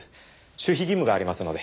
守秘義務がありますので。